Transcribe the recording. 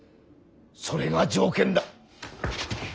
それが条件だ。